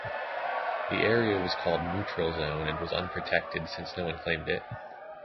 The area was called 'neutral zone' and was unprotected since no one claimed it.